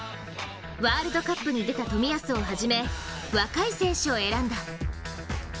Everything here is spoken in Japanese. ワールドカップに出た冨安を始め若い選手を選んだ。